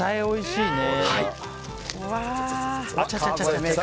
おいしい！